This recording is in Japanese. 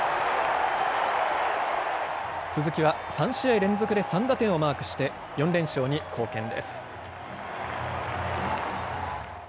鈴木は３試合連続で３打点をマークして４連勝に貢献です。